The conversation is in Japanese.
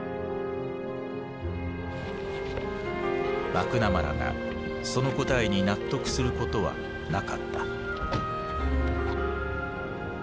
マクナマラがその答えに納得することはなかった。